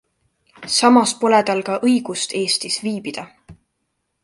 Samas pole tal ka õigust Eestis viibida.